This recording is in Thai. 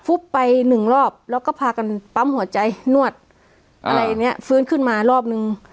ฟุ๊บไป๑รอบแล้วก็พากันปั๊มหัวใจนวดอะไรเนี่ยฟื้นขึ้นมารอบนึง